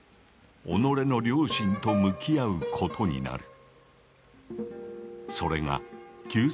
己の良心と向き合うことになる。